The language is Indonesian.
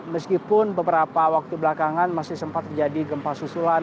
meskipun beberapa waktu belakangan masih sempat terjadi gempa susulan